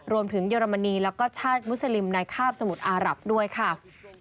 เยอรมนีแล้วก็ชาติมุสลิมในคาบสมุทรอารับด้วยค่ะ